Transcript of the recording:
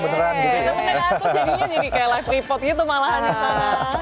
beneran terus jadinya jadi kayak live report gitu malahan di sana